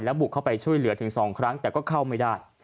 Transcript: บุกเข้าไปช่วยเหลือถึง๒ครั้งแต่ก็เข้าไม่ได้